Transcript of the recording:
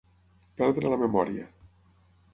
Perdre la memòria.